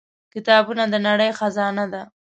• کتابونه د نړۍ خزانه ده.